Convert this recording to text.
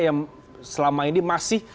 yang selama ini masih